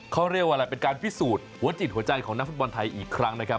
เขาเรียกว่าอะไรเป็นการพิสูจน์หัวจิตหัวใจของนักฟุตบอลไทยอีกครั้งนะครับ